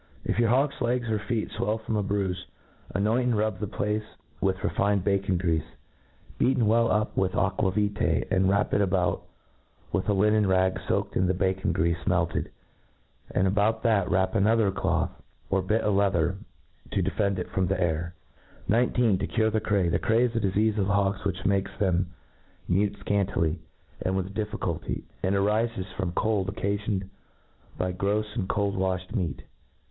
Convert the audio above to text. If your hawk's legs or feet fwell from a bruifc^ anoint and rub the place with refined bacon grcafe, beaten well up with aquavitae, and wrap it abo ut with a linen rag foaked in the bacort greafe melted} and about that wrap another cloth, or Kt of leather, to defend it from the air* lj>. To cure the Cray. . The Cray is a difeafe of hawks which makci them mute ix:antily, and with difficulty ; and 9f ifes from cold occafioned by grofs and cold ' waflied meat.